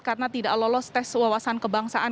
karena tidak lolos tes wawasan kebangsaan